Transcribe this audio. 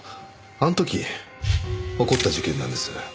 あの時起こった事件なんです。